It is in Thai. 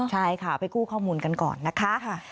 ใช่ค่ะไปกู้ข้อมูลกันก่อนนะคะ